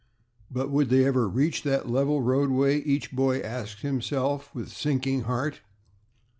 But "would they ever reach that level roadway?" each boy asked himself, with sinking heart.